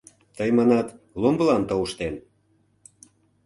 Тый манат: ломбылан тауштен